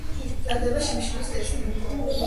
ტარდება შიმშილის ტესტი.